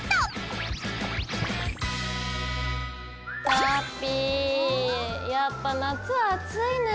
ラッピィやっぱ夏は暑いね！